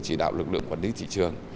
chỉ đạo lực lượng quản lý thị trường